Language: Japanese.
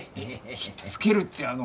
ひっつけるってあの。